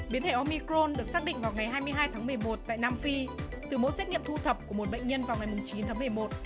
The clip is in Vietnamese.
biến thể omicron được xác định vào ngày hai mươi hai tháng một mươi một tại nam phi từ mẫu xét nghiệm thu thập của một bệnh nhân vào ngày chín tháng một mươi một